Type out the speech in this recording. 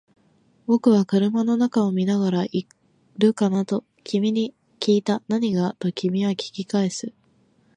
僕は車の中を見ながら、いるかな？と君に訊いた。何が？と君は訊き返す。